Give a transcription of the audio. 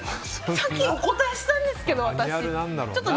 さっきお答えしたんですけど私って。